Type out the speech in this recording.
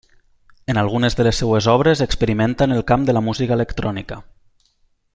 En algunes de les seves obres experimenta en el camp de la música electrònica.